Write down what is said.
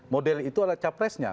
model itu adalah capresnya